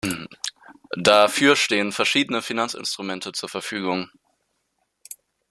Dafür stehen verschiedene Finanzinstrumente zur Verfügung.